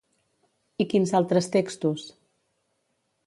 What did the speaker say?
I quins altres textos?